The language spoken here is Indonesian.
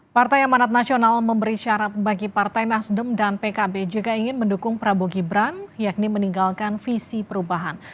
partai amanat nasional memberi syarat bagi partai nasdem dan pkb jika ingin mendukung prabowo gibran yakni meninggalkan visi perubahan